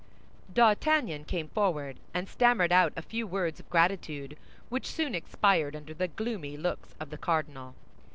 D'Artagnan came forward and stammered out a few words of gratitude which soon expired under the gloomy looks of the cardinal.